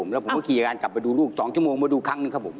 แล้วผมก็ขี่งานกลับไปดูลูก๒ชั่วโมงมาดูครั้งหนึ่งครับผม